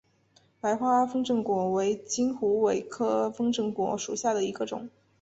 白花风筝果为金虎尾科风筝果属下的一个种。